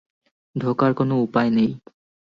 ঢোকার কোনো উপায় নেই।